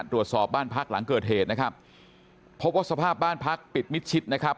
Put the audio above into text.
ตรวจสอบบ้านพักหลังเกิดเหตุนะครับพบว่าสภาพบ้านพักปิดมิดชิดนะครับ